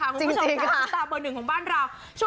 คุณผู้ชมกันตาเบอร์หนึ่งของบ้านเรา